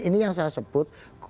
ini yang saya sebut